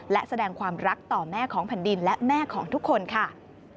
และแสดงความรักต่อแม่ของแผ่นดินและแม่ของทุกคนค่ะ